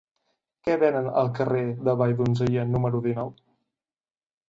Què venen al carrer de Valldonzella número dinou?